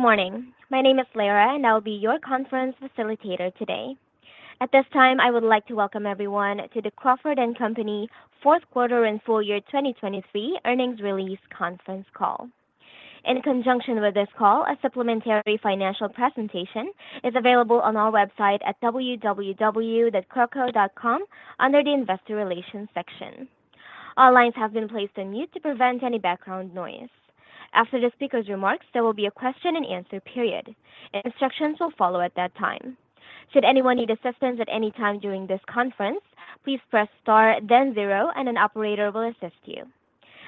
Good morning. My name is Lara, and I'll be your conference facilitator today. At this time, I would like to welcome everyone to the Crawford & Company fourth quarter and full year 2023 earnings release conference call. In conjunction with this call, a supplementary financial presentation is available on our website at www.crawford.com under the investor relations section. Our lines have been placed on mute to prevent any background noise. After the speaker's remarks, there will be a question-and-answer period. Instructions will follow at that time. Should anyone need assistance at any time during this conference, please press star, then zero, and an operator will assist you.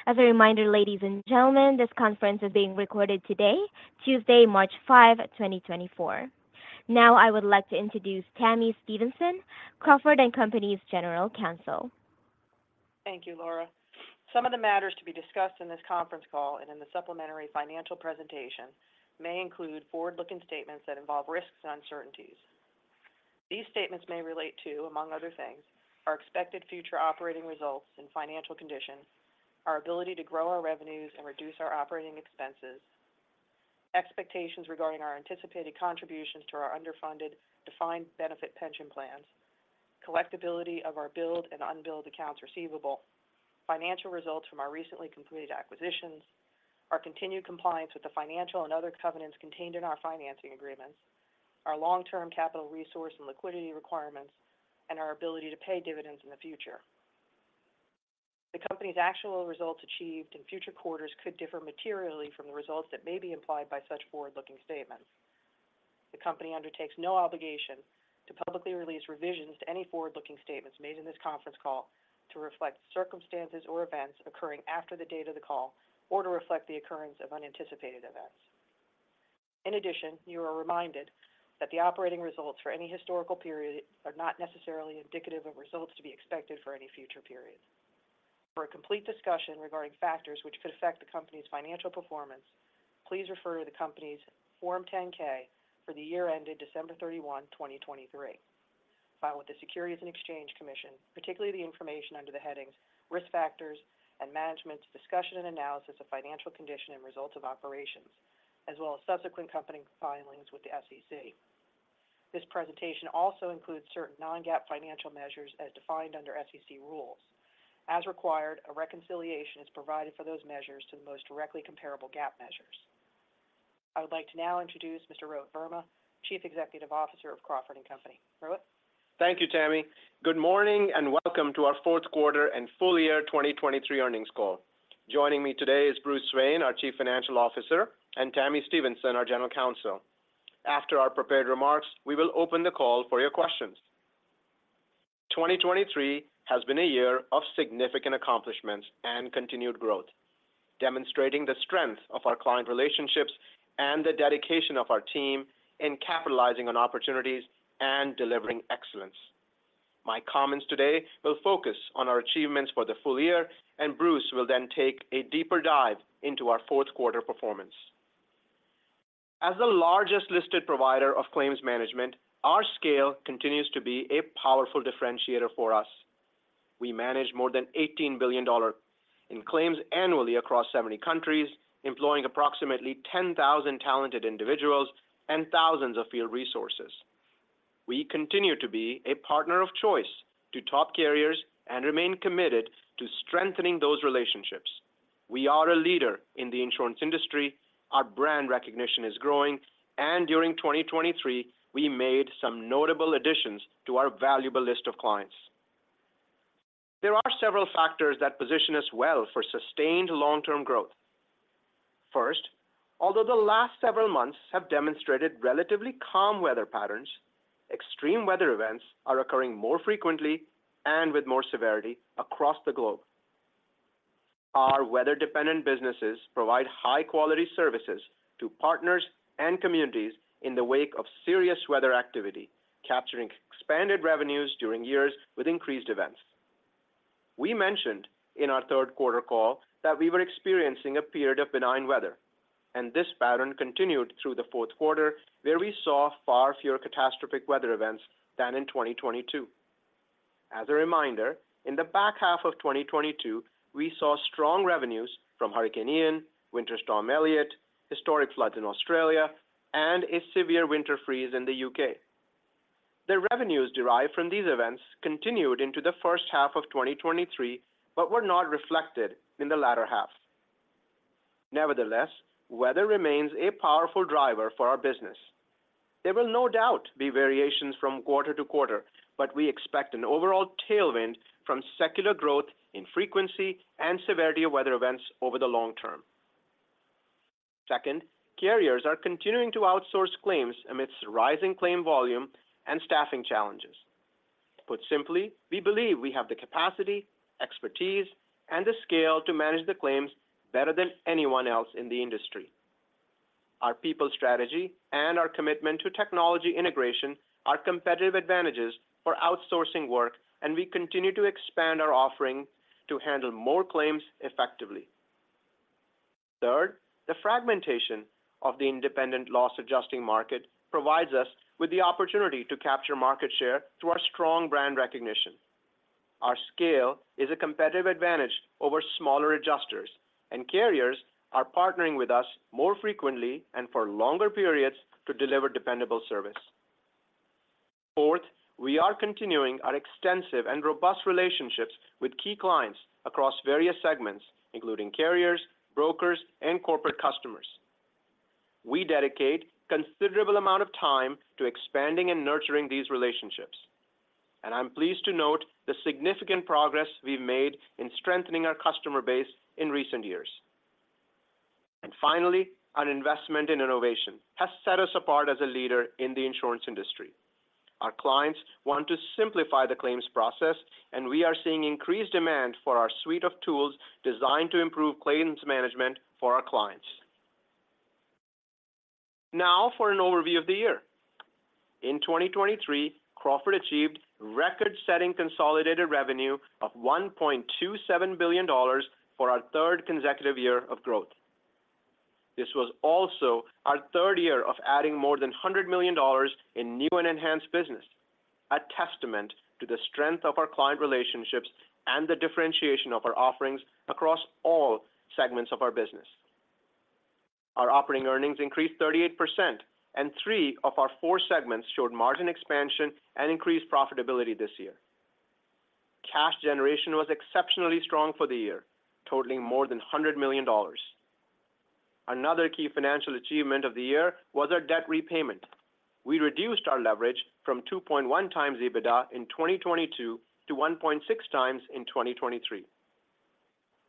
As a reminder, ladies and gentlemen, this conference is being recorded today, Tuesday, March 5, 2024. Now I would like to introduce Tami Stevenson, Crawford & Company's General Counsel. Thank you, Lara. Some of the matters to be discussed in this conference call and in the supplementary financial presentation may include forward-looking statements that involve risks and uncertainties. These statements may relate to, among other things, our expected future operating results and financial condition, our ability to grow our revenues and reduce our operating expenses, expectations regarding our anticipated contributions to our underfunded defined benefit pension plans, collectibility of our billed and unbilled accounts receivable, financial results from our recently completed acquisitions, our continued compliance with the financial and other covenants contained in our financing agreements, our long-term capital resource and liquidity requirements, and our ability to pay dividends in the future. The company's actual results achieved in future quarters could differ materially from the results that may be implied by such forward-looking statements. The company undertakes no obligation to publicly release revisions to any forward-looking statements made in this conference call to reflect circumstances or events occurring after the date of the call or to reflect the occurrence of unanticipated events. In addition, you are reminded that the operating results for any historical period are not necessarily indicative of results to be expected for any future period. For a complete discussion regarding factors which could affect the company's financial performance, please refer to the company's Form 10-K for the year ended December 31, 2023, filed with the Securities and Exchange Commission, particularly the information under the headings Risk Factors and Management's Discussion and Analysis of Financial Condition and Results of Operations, as well as subsequent company filings with the SEC. This presentation also includes certain non-GAAP financial measures as defined under SEC rules. As required, a reconciliation is provided for those measures to the most directly comparable GAAP measures. I would like to now introduce Mr. Rohit Verma, Chief Executive Officer of Crawford & Company. Rohit. Thank you, Tami. Good morning and welcome to our fourth quarter and full year 2023 earnings call. Joining me today is Bruce Swain, our Chief Financial Officer, and Tami Stevenson, our General Counsel. After our prepared remarks, we will open the call for your questions. 2023 has been a year of significant accomplishments and continued growth, demonstrating the strength of our client relationships and the dedication of our team in capitalizing on opportunities and delivering excellence. My comments today will focus on our achievements for the full year, and Bruce will then take a deeper dive into our fourth quarter performance. As the largest listed provider of claims management, our scale continues to be a powerful differentiator for us. We manage more than $18 billion in claims annually across 70 countries, employing approximately 10,000 talented individuals and thousands of field resources. We continue to be a partner of choice to top carriers and remain committed to strengthening those relationships. We are a leader in the insurance industry. Our brand recognition is growing, and during 2023, we made some notable additions to our valuable list of clients. There are several factors that position us well for sustained long-term growth. First, although the last several months have demonstrated relatively calm weather patterns, extreme weather events are occurring more frequently and with more severity across the globe. Our weather-dependent businesses provide high-quality services to partners and communities in the wake of serious weather activity, capturing expanded revenues during years with increased events. We mentioned in our third quarter call that we were experiencing a period of benign weather, and this pattern continued through the fourth quarter, where we saw far fewer catastrophic weather events than in 2022. As a reminder, in the back half of 2022, we saw strong revenues from Hurricane Ian, Winter Storm Elliott, historic floods in Australia, and a severe winter freeze in the U.K. The revenues derived from these events continued into the first half of 2023 but were not reflected in the latter half. Nevertheless, weather remains a powerful driver for our business. There will no doubt be variations from quarter to quarter, but we expect an overall tailwind from secular growth in frequency and severity of weather events over the long term. Second, carriers are continuing to outsource claims amidst rising claim volume and staffing challenges. Put simply, we believe we have the capacity, expertise, and the scale to manage the claims better than anyone else in the industry. Our people strategy and our commitment to technology integration are competitive advantages for outsourcing work, and we continue to expand our offering to handle more claims effectively. Third, the fragmentation of the independent loss-adjusting market provides us with the opportunity to capture market share through our strong brand recognition. Our scale is a competitive advantage over smaller adjusters, and carriers are partnering with us more frequently and for longer periods to deliver dependable service. Fourth, we are continuing our extensive and robust relationships with key clients across various segments, including carriers, brokers, and corporate customers. We dedicate a considerable amount of time to expanding and nurturing these relationships, and I'm pleased to note the significant progress we've made in strengthening our customer base in recent years. And finally, our investment in innovation has set us apart as a leader in the insurance industry. Our clients want to simplify the claims process, and we are seeing increased demand for our suite of tools designed to improve claims management for our clients. Now for an overview of the year. In 2023, Crawford achieved record-setting consolidated revenue of $1.27 billion for our third consecutive year of growth. This was also our third year of adding more than $100 million in new and enhanced business, a testament to the strength of our client relationships and the differentiation of our offerings across all segments of our business. Our operating earnings increased 38%, and three of our four segments showed margin expansion and increased profitability this year. Cash generation was exceptionally strong for the year, totaling more than $100 million. Another key financial achievement of the year was our debt repayment. We reduced our leverage from 2.1x EBITDA in 2022 to 1.6x in 2023.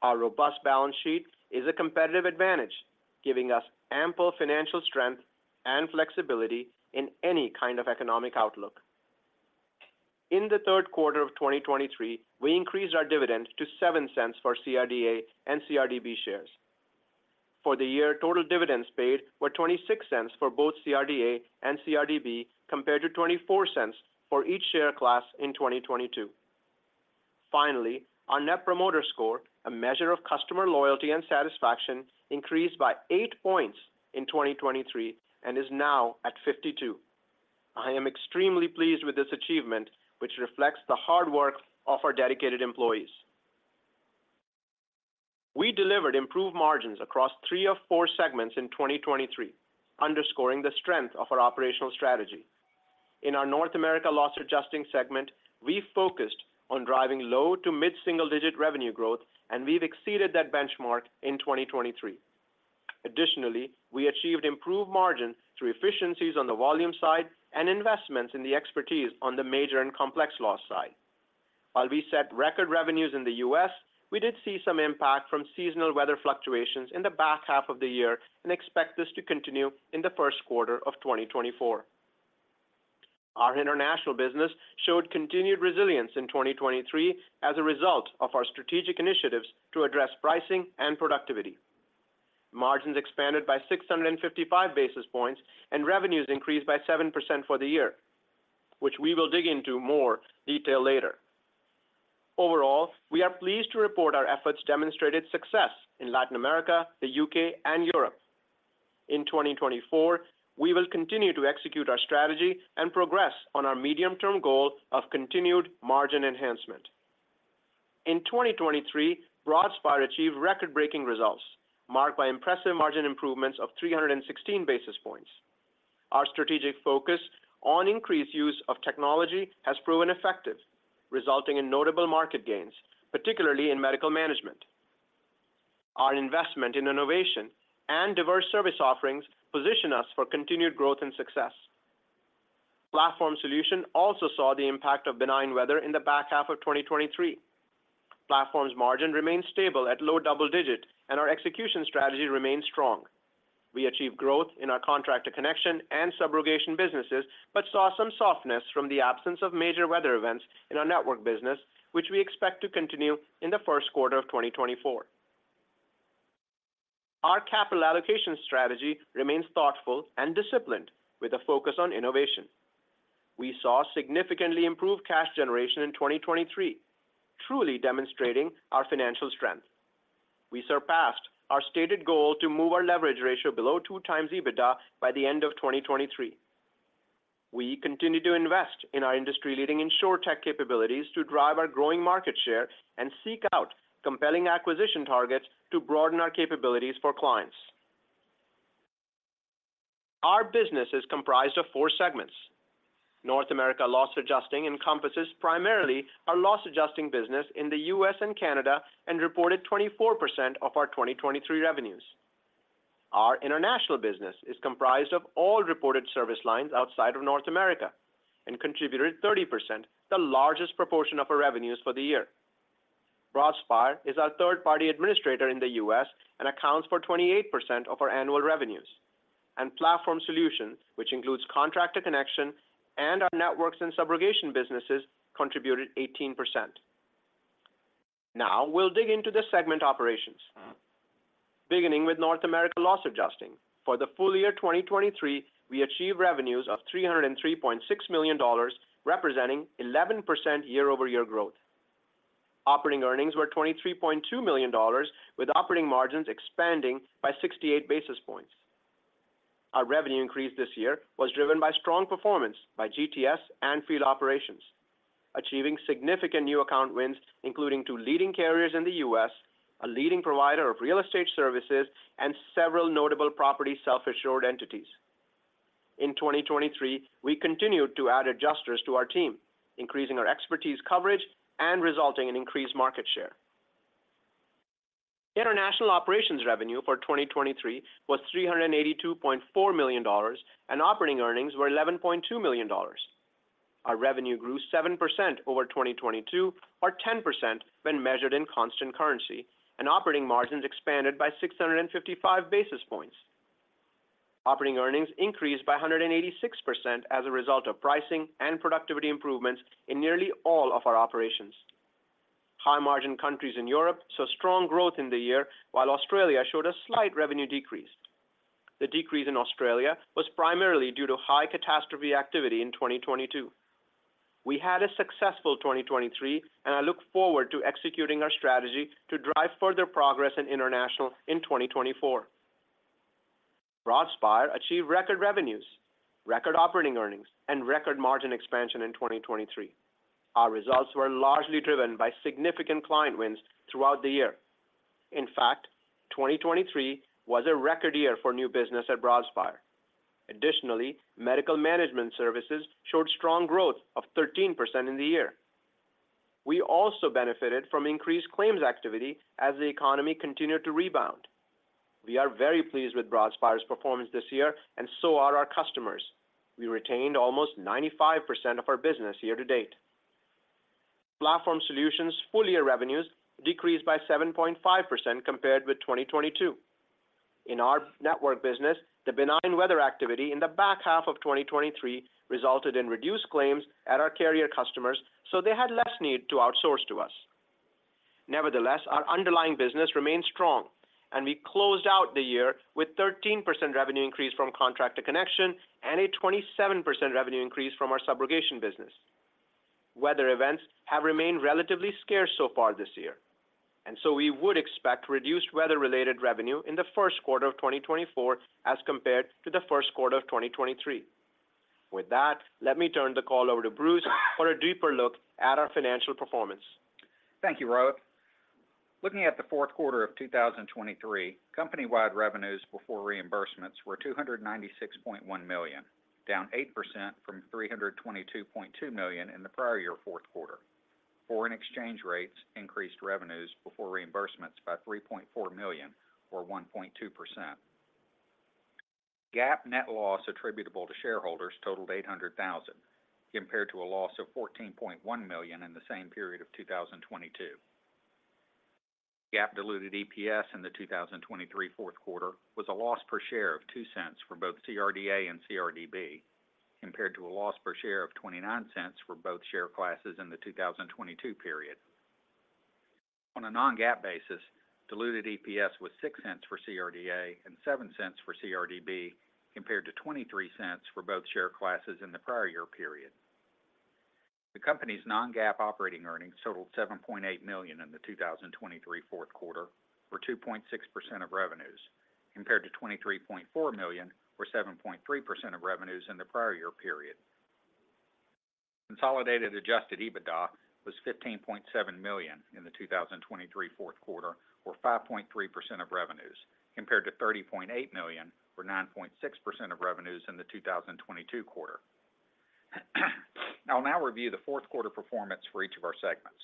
Our robust balance sheet is a competitive advantage, giving us ample financial strength and flexibility in any kind of economic outlook. In the third quarter of 2023, we increased our dividend to $0.07 for CRDA and CRDB shares. For the year, total dividends paid were $0.26 for both CRDA and CRDB compared to $0.24 for each share class in 2022. Finally, our Net Promoter Score, a measure of customer loyalty and satisfaction, increased by eight points in 2023 and is now at 52. I am extremely pleased with this achievement, which reflects the hard work of our dedicated employees. We delivered improved margins across three of four segments in 2023, underscoring the strength of our operational strategy. In our North America Loss Adjusting segment, we focused on driving low to mid-single-digit revenue growth, and we've exceeded that benchmark in 2023. Additionally, we achieved improved margin through efficiencies on the volume side and investments in the expertise on the major and complex loss side. While we set record revenues in the U.S., we did see some impact from seasonal weather fluctuations in the back half of the year and expect this to continue in the first quarter of 2024. Our international business showed continued resilience in 2023 as a result of our strategic initiatives to address pricing and productivity. Margins expanded by 655 basis points and revenues increased by 7% for the year, which we will dig into more detail later. Overall, we are pleased to report our efforts demonstrated success in Latin America, the U.K., and Europe. In 2024, we will continue to execute our strategy and progress on our medium-term goal of continued margin enhancement. In 2023, Broadspire achieved record-breaking results marked by impressive margin improvements of 316 basis points. Our strategic focus on increased use of technology has proven effective, resulting in notable market gains, particularly in medical management. Our investment in innovation and diverse service offerings position us for continued growth and success. Platform Solutions also saw the impact of benign weather in the back half of 2023. Platform's margin remained stable at low double-digit, and our execution strategy remained strong. We achieved growth in our Contractor Connection and subrogation businesses but saw some softness from the absence of major weather events in our network business, which we expect to continue in the first quarter of 2024. Our capital allocation strategy remains thoughtful and disciplined with a focus on innovation. We saw significantly improved cash generation in 2023, truly demonstrating our financial strength. We surpassed our stated goal to move our leverage ratio below 2x EBITDA by the end of 2023. We continue to invest in our industry-leading insurtech capabilities to drive our growing market share and seek out compelling acquisition targets to broaden our capabilities for clients. Our business is comprised of four segments. North America Loss Adjusting encompasses primarily our loss-adjusting business in the U.S. and Canada and reported 24% of our 2023 revenues. Our international business is comprised of all reported service lines outside of North America and contributed 30%, the largest proportion of our revenues for the year. Broadspire is our third-party administrator in the U.S. and accounts for 28% of our annual revenues, and Platform Solutions, which includes Contractor Connection and our networks and subrogation businesses, contributed 18%. Now we'll dig into the segment operations, beginning with North America Loss Adjusting. For the full year 2023, we achieved revenues of $303.6 million, representing 11% year-over-year growth. Operating earnings were $23.2 million, with operating margins expanding by 68 basis points. Our revenue increase this year was driven by strong performance by GTS and Field Operations, achieving significant new account wins, including two leading carriers in the U.S., a leading provider of real estate services, and several notable property self-insured entities. In 2023, we continued to add adjusters to our team, increasing our expertise coverage and resulting in increased market share. International Operations revenue for 2023 was $382.4 million, and operating earnings were $11.2 million. Our revenue grew 7% over 2022 or 10% when measured in constant currency, and operating margins expanded by 655 basis points. Operating earnings increased by 186% as a result of pricing and productivity improvements in nearly all of our operations. High-margin countries in Europe saw strong growth in the year, while Australia showed a slight revenue decrease. The decrease in Australia was primarily due to high catastrophe activity in 2022. We had a successful 2023, and I look forward to executing our strategy to drive further progress in international in 2024. Broadspire achieved record revenues, record operating earnings, and record margin expansion in 2023. Our results were largely driven by significant client wins throughout the year. In fact, 2023 was a record year for new business at Broadspire. Additionally, medical management services showed strong growth of 13% in the year. We also benefited from increased claims activity as the economy continued to rebound. We are very pleased with Broadspire's performance this year, and so are our customers. We retained almost 95% of our business year to date. Platform Solutions' full-year revenues decreased by 7.5% compared with 2022. In our network business, the benign weather activity in the back half of 2023 resulted in reduced claims at our carrier customers, so they had less need to outsource to us. Nevertheless, our underlying business remained strong, and we closed out the year with a 13% revenue increase from Contractor Connection and a 27% revenue increase from our subrogation business. Weather events have remained relatively scarce so far this year, and so we would expect reduced weather-related revenue in the first quarter of 2024 as compared to the first quarter of 2023. With that, let me turn the call over to Bruce for a deeper look at our financial performance. Thank you, Rohit. Looking at the fourth quarter of 2023, company-wide revenues before reimbursements were $296.1 million, down 8% from $322.2 million in the prior year fourth quarter. Foreign exchange rates increased revenues before reimbursements by $3.4 million or 1.2%. GAAP net loss attributable to shareholders totaled $800,000 compared to a loss of $14.1 million in the same period of 2022. GAAP diluted EPS in the 2023 fourth quarter was a loss per share of $0.02 for both CRDA and CRDB compared to a loss per share of $0.29 for both share classes in the 2022 period. On a non-GAAP basis, diluted EPS was $0.06 for CRDA and $0.07 for CRDB compared to $0.23 for both share classes in the prior year period. The company's non-GAAP operating earnings totaled $7.8 million in the 2023 fourth quarter or 2.6% of revenues compared to $23.4 million or 7.3% of revenues in the prior year period. Consolidated Adjusted EBITDA was $15.7 million in the 2023 fourth quarter or 5.3% of revenues compared to $30.8 million or 9.6% of revenues in the 2022 quarter. I'll now review the fourth quarter performance for each of our segments.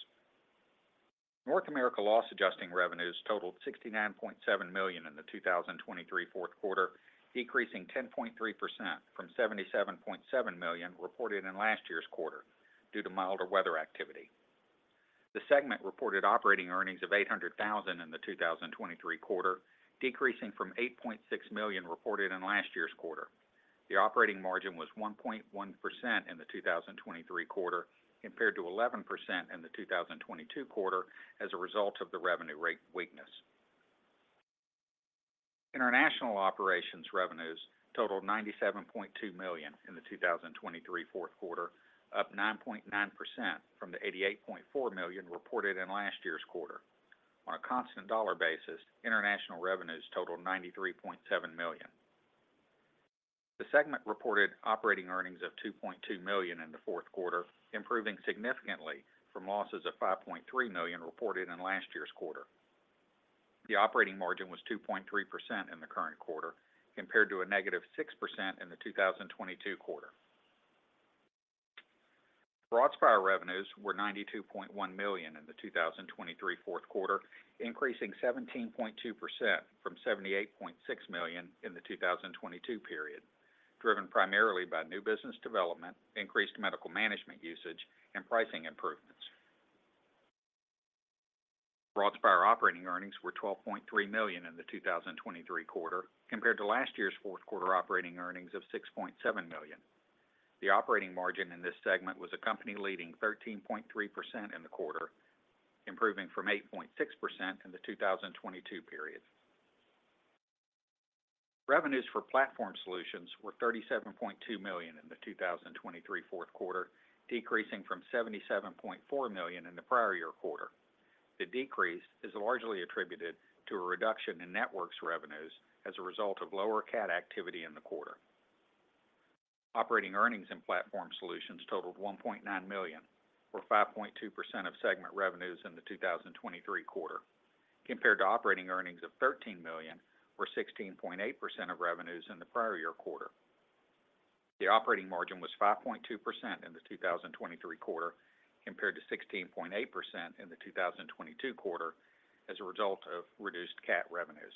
North America Loss Adjusting revenues totaled $69.7 million in the 2023 fourth quarter, decreasing 10.3% from $77.7 million reported in last year's quarter due to milder weather activity. The segment reported operating earnings of $800,000 in the 2023 quarter, decreasing from $8.6 million reported in last year's quarter. The operating margin was 1.1% in the 2023 quarter compared to 11% in the 2022 quarter as a result of the revenue rate weakness. International operations revenues totaled $97.2 million in the 2023 fourth quarter, up 9.9% from the $88.4 million reported in last year's quarter. On a constant dollar basis, international revenues totaled $93.7 million. The segment reported operating earnings of $2.2 million in the fourth quarter, improving significantly from losses of $5.3 million reported in last year's quarter. The operating margin was 2.3% in the current quarter compared to a negative 6% in the 2022 quarter. Broadspire revenues were $92.1 million in the 2023 fourth quarter, increasing 17.2% from $78.6 million in the 2022 period, driven primarily by new business development, increased medical management usage, and pricing improvements. Broadspire operating earnings were $12.3 million in the 2023 quarter compared to last year's fourth quarter operating earnings of $6.7 million. The operating margin in this segment was a company-leading 13.3% in the quarter, improving from 8.6% in the 2022 period. Revenues for Platform Solutions were $37.2 million in the 2023 fourth quarter, decreasing from $77.4 million in the prior year quarter. The decrease is largely attributed to a reduction in networks revenues as a result of lower CAT activity in the quarter. Operating earnings in Platform Solutions totaled $1.9 million or 5.2% of segment revenues in the 2023 quarter compared to operating earnings of $13 million or 16.8% of revenues in the prior year quarter. The operating margin was 5.2% in the 2023 quarter compared to 16.8% in the 2022 quarter as a result of reduced CAT revenues.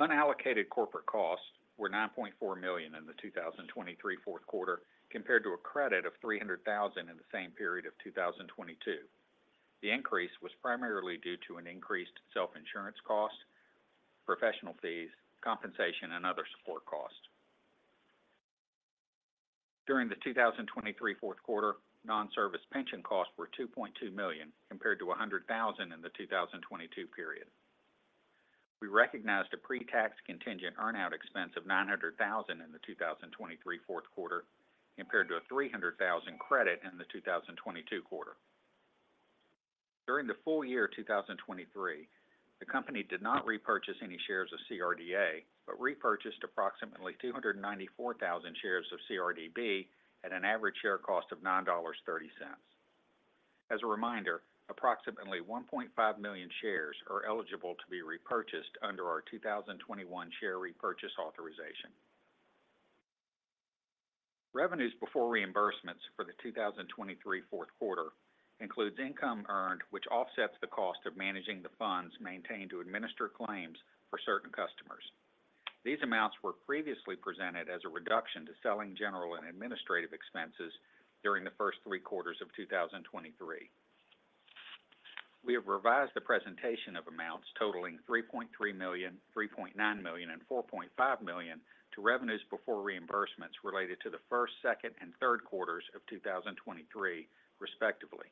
Unallocated corporate costs were $9.4 million in the 2023 fourth quarter compared to a credit of $300,000 in the same period of 2022. The increase was primarily due to an increased self-insurance cost, professional fees, compensation, and other support costs. During the 2023 fourth quarter, non-service pension costs were $2.2 million compared to $100,000 in the 2022 period. We recognized a pre-tax contingent earnout expense of $900,000 in the 2023 fourth quarter compared to a $300,000 credit in the 2022 quarter. During the full year 2023, the company did not repurchase any shares of CRDA but repurchased approximately 294,000 shares of CRDB at an average share cost of $9.30. As a reminder, approximately 1.5 million shares are eligible to be repurchased under our 2021 share repurchase authorization. Revenues before reimbursements for the 2023 fourth quarter includes income earned which offsets the cost of managing the funds maintained to administer claims for certain customers. These amounts were previously presented as a reduction to selling general and administrative expenses during the first three quarters of 2023. We have revised the presentation of amounts totaling $3.3 million, $3.9 million, and $4.5 million to revenues before reimbursements related to the first, second, and third quarters of 2023, respectively.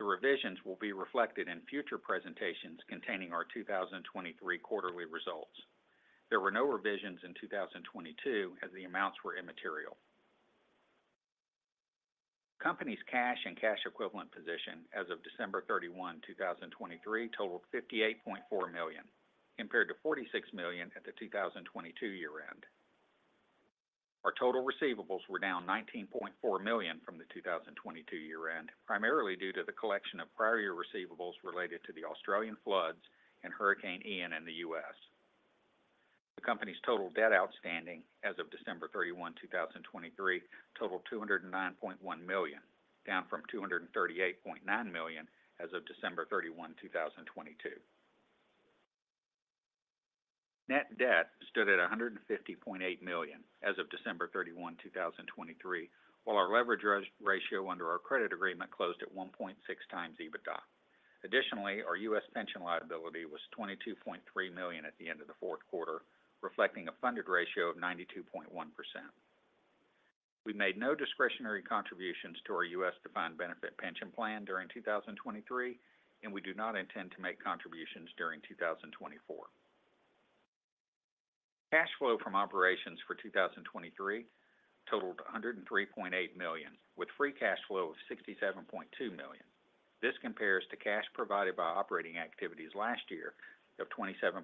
The revisions will be reflected in future presentations containing our 2023 quarterly results. There were no revisions in 2022 as the amounts were immaterial. The Company's cash and cash equivalent position as of December 31, 2023, totaled $58.4 million compared to $46 million at the 2022 year-end. Our total receivables were down $19.4 million from the 2022 year-end, primarily due to the collection of prior year receivables related to the Australian floods and Hurricane Ian in the U.S. The Company's total debt outstanding as of December 31, 2023, totaled $209.1 million, down from $238.9 million as of December 31, 2022. Net debt stood at $150.8 million as of December 31, 2023, while our leverage ratio under our credit agreement closed at 1.6 times EBITDA. Additionally, our U.S. pension liability was $22.3 million at the end of the fourth quarter, reflecting a funded ratio of 92.1%. We made no discretionary contributions to our U.S. Defined Benefit Pension Plan during 2023, and we do not intend to make contributions during 2024. Cash flow from operations for 2023 totaled $103.8 million, with free cash flow of $67.2 million. This compares to cash provided by operating activities last year of $27.6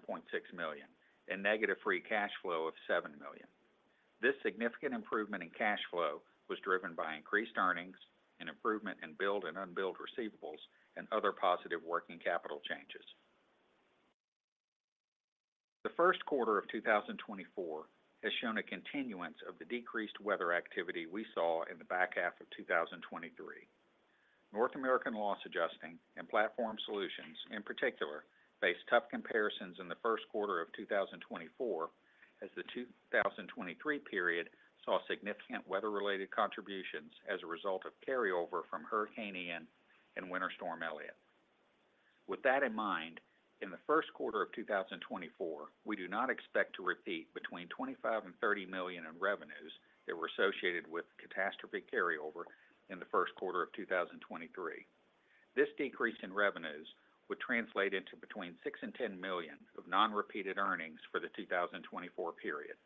million and negative free cash flow of $7 million. This significant improvement in cash flow was driven by increased earnings, an improvement in billed and unbilled receivables, and other positive working capital changes. The first quarter of 2024 has shown a continuance of the decreased weather activity we saw in the back half of 2023. North America Loss Adjusting and Platform Solutions, in particular, faced tough comparisons in the first quarter of 2024 as the 2023 period saw significant weather-related contributions as a result of carryover from Hurricane Ian and Winter Storm Elliott. With that in mind, in the first quarter of 2024, we do not expect to repeat between $25-$30 million in revenues that were associated with catastrophe carryover in the first quarter of 2023. This decrease in revenues would translate into between $6-$10 million of non-repeated earnings for the 2024 period.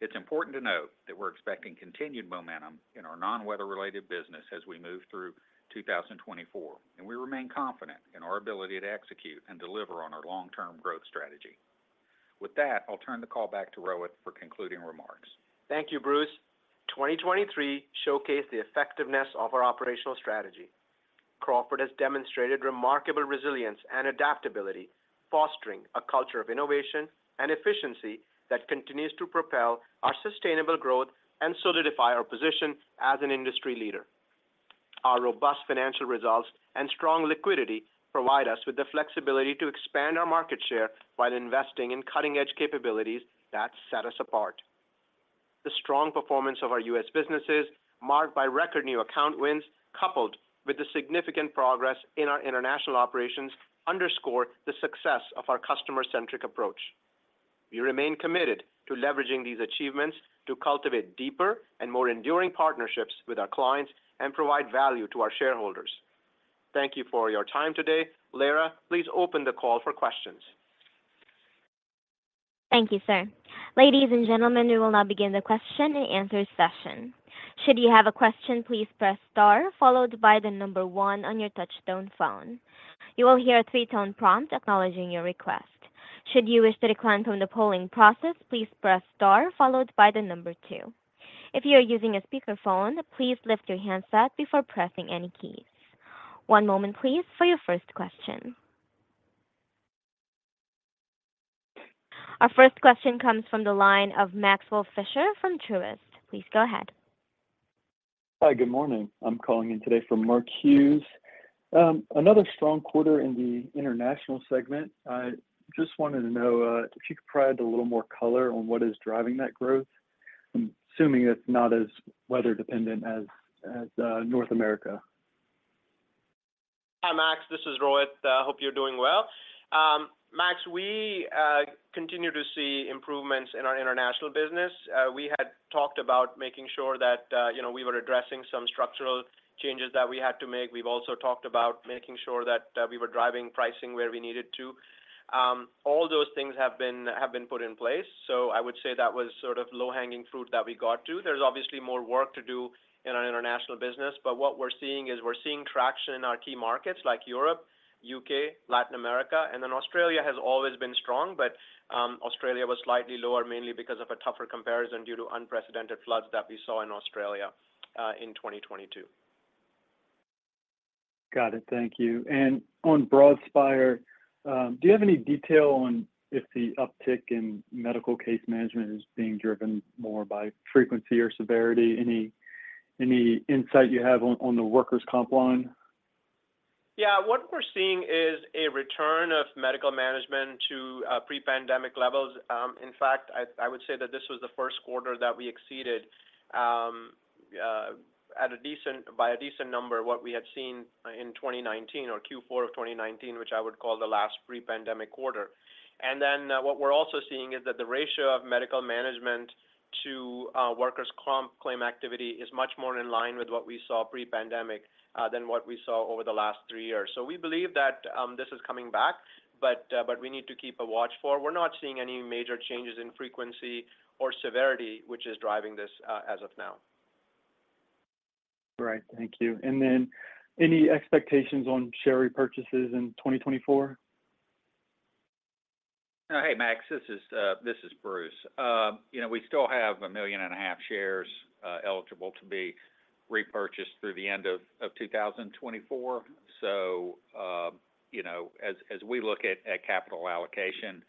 It's important to note that we're expecting continued momentum in our non-weather-related business as we move through 2024, and we remain confident in our ability to execute and deliver on our long-term growth strategy. With that, I'll turn the call back to Rohit for concluding remarks. Thank you, Bruce. 2023 showcased the effectiveness of our operational strategy. Crawford has demonstrated remarkable resilience and adaptability, fostering a culture of innovation and efficiency that continues to propel our sustainable growth and solidify our position as an industry leader. Our robust financial results and strong liquidity provide us with the flexibility to expand our market share while investing in cutting-edge capabilities that set us apart. The strong performance of our U.S. businesses, marked by record new account wins coupled with the significant progress in our international operations, underscore the success of our customer-centric approach. We remain committed to leveraging these achievements to cultivate deeper and more enduring partnerships with our clients and provide value to our shareholders. Thank you for your time today. Lara, please open the call for questions. Thank you, sir. Ladies and gentlemen, we will now begin the question and answer session. Should you have a question, please press star followed by the number 1 on your touch-tone phone. You will hear a three-tone prompt acknowledging your request. Should you wish to decline from the polling process, please press star followed by the number 2. If you are using a speakerphone, please lift your handset before pressing any keys. One moment, please, for your first question. Our first question comes from the line of Maxwell Fisher from Truist. Please go ahead. Hi, good morning. I'm calling in today from Mark Hughes. Another strong quarter in the international segment. I just wanted to know if you could provide a little more color on what is driving that growth. I'm assuming it's not as weather-dependent as North America. Hi, Max. This is Rohit. I hope you're doing well. Max, we continue to see improvements in our international business. We had talked about making sure that we were addressing some structural changes that we had to make. We've also talked about making sure that we were driving pricing where we needed to. All those things have been put in place, so I would say that was sort of low-hanging fruit that we got to. There's obviously more work to do in our international business, but what we're seeing is we're seeing traction in our key markets like Europe, U.K., Latin America, and then Australia has always been strong, but Australia was slightly lower mainly because of a tougher comparison due to unprecedented floods that we saw in Australia in 2022. Got it. Thank you. On Broadspire, do you have any detail on if the uptick in medical case management is being driven more by frequency or severity? Any insight you have on the workers' comp line? Yeah. What we're seeing is a return of medical management to pre-pandemic levels. In fact, I would say that this was the first quarter that we exceeded by a decent number what we had seen in 2019 or Q4 of 2019, which I would call the last pre-pandemic quarter. And then what we're also seeing is that the ratio of medical management to workers' comp claim activity is much more in line with what we saw pre-pandemic than what we saw over the last three years. So we believe that this is coming back, but we need to keep a watch for it. We're not seeing any major changes in frequency or severity, which is driving this as of now. All right. Thank you. And then any expectations on share repurchases in 2024? Hey, Max. This is Bruce. We still have 1.5 million shares eligible to be repurchased through the end of 2024. So as we look at capital allocation,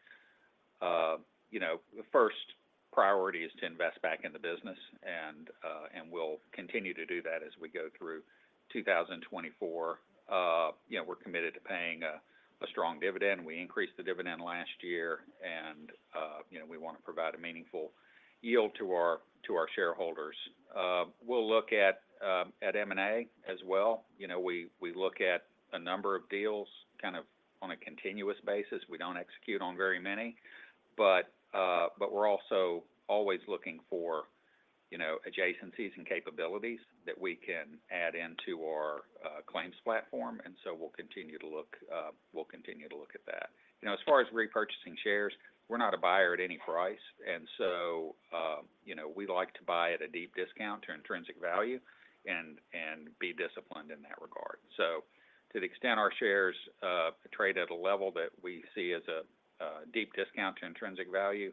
the first priority is to invest back in the business, and we'll continue to do that as we go through 2024. We're committed to paying a strong dividend. We increased the dividend last year, and we want to provide a meaningful yield to our shareholders. We'll look at M&A as well. We look at a number of deals kind of on a continuous basis. We don't execute on very many, but we're also always looking for adjacencies and capabilities that we can add into our claims platform, and so we'll continue to look at that. As far as repurchasing shares, we're not a buyer at any price, and so we like to buy at a deep discount to intrinsic value and be disciplined in that regard. So to the extent our shares trade at a level that we see as a deep discount to intrinsic value,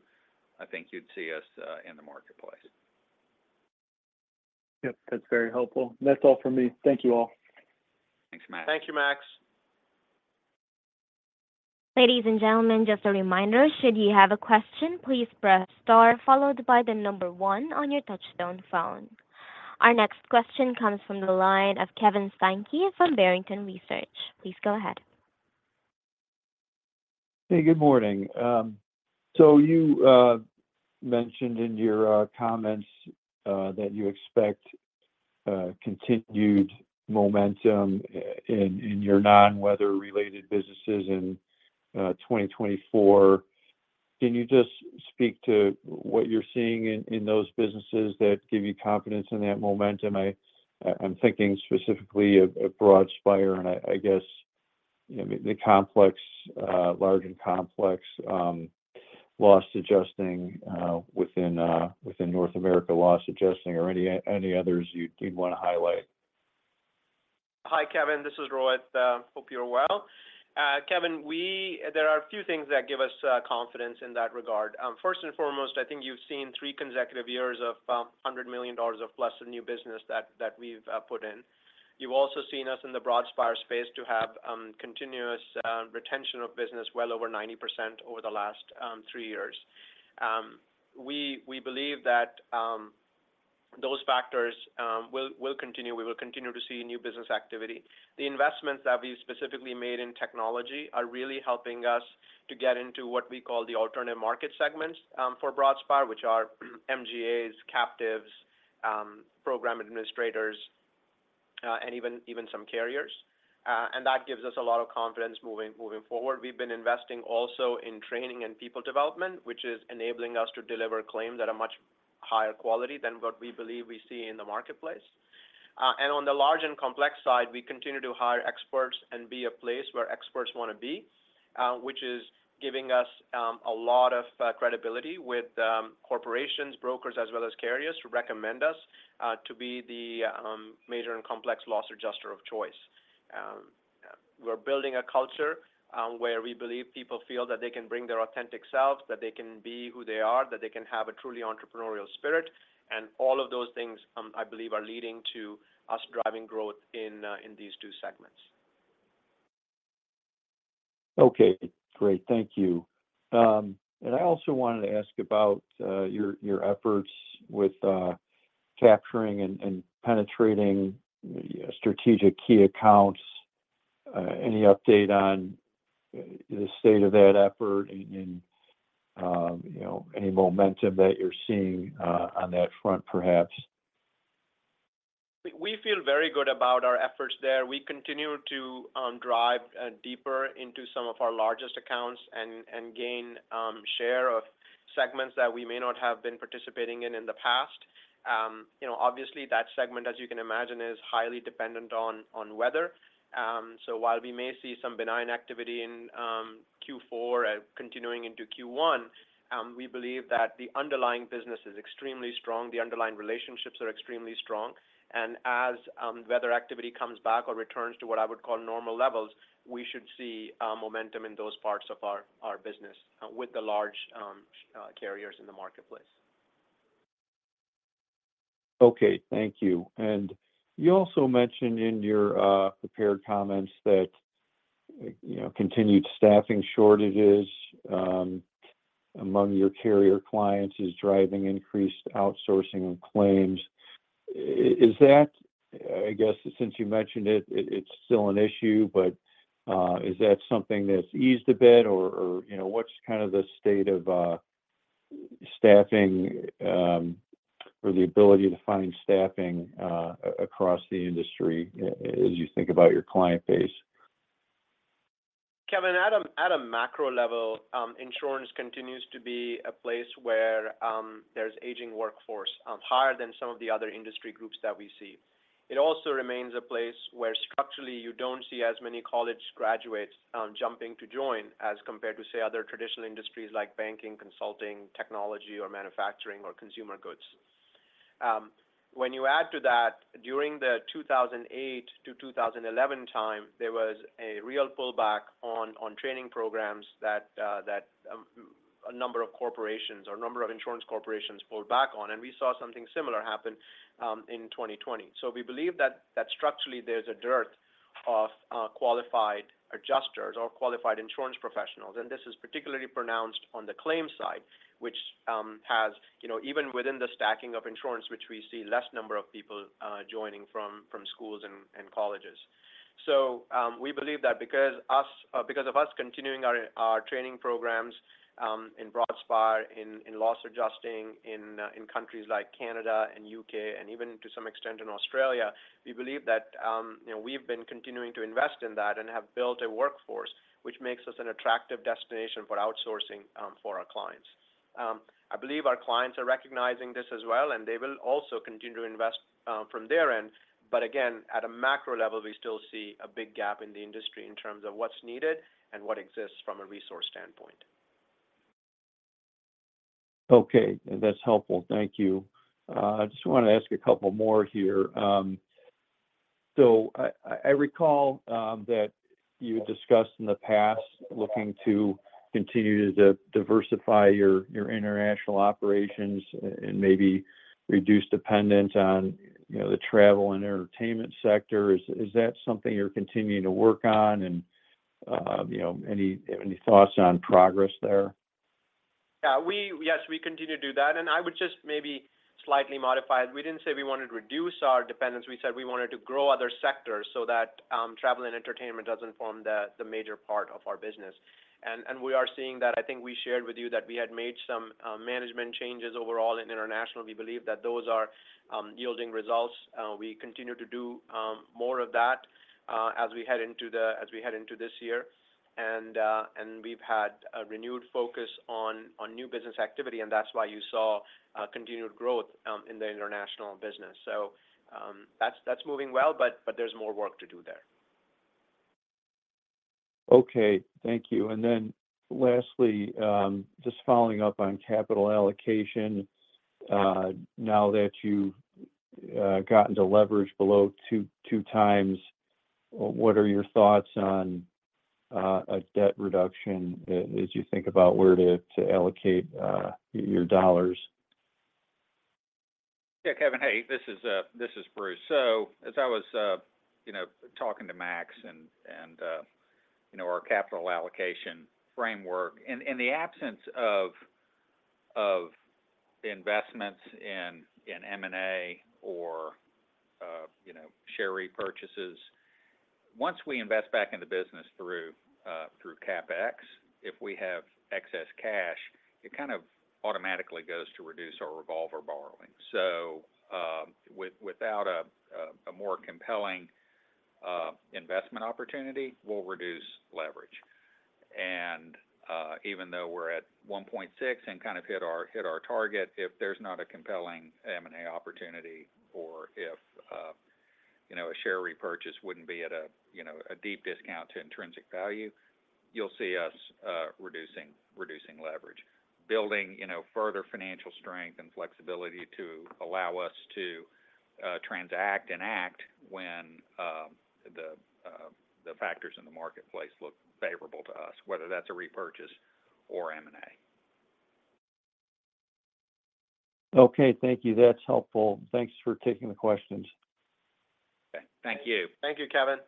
I think you'd see us in the marketplace. Yep. That's very helpful. That's all from me. Thank you all. Thanks, Max. Thank you, Max. Ladies and gentlemen, just a reminder, should you have a question, please press star followed by the number one on your touch-tone phone. Our next question comes from the line of Kevin Steinke from Barrington Research. Please go ahead. Hey, good morning. So you mentioned in your comments that you expect continued momentum in your non-weather-related businesses in 2024. Can you just speak to what you're seeing in those businesses that give you confidence in that momentum? I'm thinking specifically of Broadspire and, I guess, the large and complex loss adjusting within North America Loss Adjusting or any others you'd want to highlight. Hi, Kevin. This is Rohit. Hope you're well. Kevin, there are a few things that give us confidence in that regard. First and foremost, I think you've seen three consecutive years of $100 million+ of new business that we've put in. You've also seen us in the Broadspire space to have continuous retention of business well over 90% over the last three years. We believe that those factors will continue. We will continue to see new business activity. The investments that we've specifically made in technology are really helping us to get into what we call the alternative market segments for Broadspire, which are MGAs, captives, program administrators, and even some carriers. And that gives us a lot of confidence moving forward. We've been investing also in training and people development, which is enabling us to deliver claims that are much higher quality than what we believe we see in the marketplace. And on the large and complex side, we continue to hire experts and be a place where experts want to be, which is giving us a lot of credibility with corporations, brokers, as well as carriers to recommend us to be the major and complex loss adjuster of choice. We're building a culture where we believe people feel that they can bring their authentic selves, that they can be who they are, that they can have a truly entrepreneurial spirit. And all of those things, I believe, are leading to us driving growth in these two segments. Okay. Great. Thank you. I also wanted to ask about your efforts with capturing and penetrating strategic key accounts. Any update on the state of that effort and any momentum that you're seeing on that front, perhaps? We feel very good about our efforts there. We continue to drive deeper into some of our largest accounts and gain share of segments that we may not have been participating in the past. Obviously, that segment, as you can imagine, is highly dependent on weather. So while we may see some benign activity in Q4 continuing into Q1, we believe that the underlying business is extremely strong. The underlying relationships are extremely strong. And as weather activity comes back or returns to what I would call normal levels, we should see momentum in those parts of our business with the large carriers in the marketplace. Okay. Thank you. And you also mentioned in your prepared comments that continued staffing shortages among your carrier clients is driving increased outsourcing and claims. I guess since you mentioned it, it's still an issue, but is that something that's eased a bit, or what's kind of the state of staffing or the ability to find staffing across the industry as you think about your client base? Kevin, at a macro level, insurance continues to be a place where there's an aging workforce, higher than some of the other industry groups that we see. It also remains a place where, structurally, you don't see as many college graduates jumping to join as compared to, say, other traditional industries like banking, consulting, technology, or manufacturing or consumer goods. When you add to that, during the 2008 to 2011 time, there was a real pullback on training programs that a number of corporations or a number of insurance corporations pulled back on, and we saw something similar happen in 2020. So we believe that structurally, there's a dearth of qualified adjusters or qualified insurance professionals. And this is particularly pronounced on the claim side, which has even within the stacking of insurance, which we see less number of people joining from schools and colleges. We believe that because of us continuing our training programs in Broadspire, in loss adjusting, in countries like Canada and U.K., and even to some extent in Australia, we believe that we've been continuing to invest in that and have built a workforce, which makes us an attractive destination for outsourcing for our clients. I believe our clients are recognizing this as well, and they will also continue to invest from their end. But again, at a macro level, we still see a big gap in the industry in terms of what's needed and what exists from a resource standpoint. Okay. That's helpful. Thank you. I just want to ask a couple more here. I recall that you had discussed in the past looking to continue to diversify your international operations and maybe reduce dependence on the travel and entertainment sector. Is that something you're continuing to work on, and any thoughts on progress there? Yeah. Yes, we continue to do that. I would just maybe slightly modify it. We didn't say we wanted to reduce our dependence. We said we wanted to grow other sectors so that travel and entertainment doesn't form the major part of our business. We are seeing that. I think we shared with you that we had made some management changes overall in international. We believe that those are yielding results. We continue to do more of that as we head into this year. We've had a renewed focus on new business activity, and that's why you saw continued growth in the international business. That's moving well, but there's more work to do there. Okay. Thank you. And then lastly, just following up on capital allocation, now that you've gotten to leverage below 2x, what are your thoughts on a debt reduction as you think about where to allocate your dollars? Yeah, Kevin. Hey, this is Bruce. So as I was talking to Max and our capital allocation framework, in the absence of investments in M&A or share repurchases, once we invest back into business through CapEx, if we have excess cash, it kind of automatically goes to reduce our revolver borrowing. So without a more compelling investment opportunity, we'll reduce leverage. And even though we're at 1.6 and kind of hit our target, if there's not a compelling M&A opportunity or if a share repurchase wouldn't be at a deep discount to intrinsic value, you'll see us reducing leverage, building further financial strength and flexibility to allow us to transact and act when the factors in the marketplace look favorable to us, whether that's a repurchase or M&A. Okay. Thank you. That's helpful. Thanks for taking the questions. Okay. Thank you. Thank you, Kevin.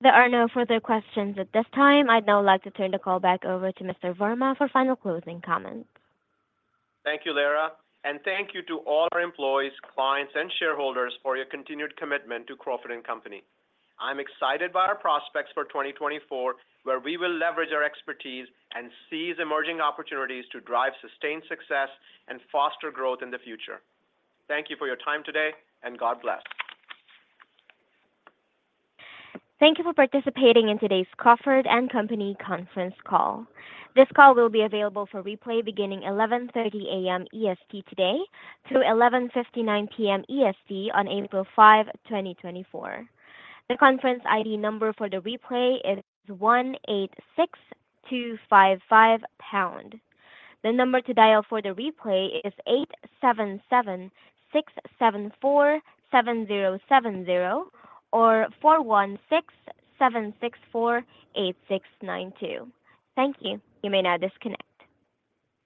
There are no further questions at this time. I'd now like to turn the call back over to Mr. Verma for final closing comments. Thank you, Lara. Thank you to all our employees, clients, and shareholders for your continued commitment to Crawford & Company. I'm excited by our prospects for 2024, where we will leverage our expertise and seize emerging opportunities to drive sustained success and foster growth in the future. Thank you for your time today, and God bless. Thank you for participating in today's Crawford & Company conference call. This call will be available for replay beginning 11:30 A.M. EST today through 11:59 P.M. EST on April 5, 2024. The conference ID number for the replay is 186255#. The number to dial for the replay is 8776747070 or 4167648692. Thank you. You may now disconnect.